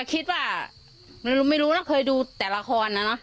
ก็คิดว่าไม่รู้ไม่รู้นะเคยดูแต่ละครน่ะเนอะ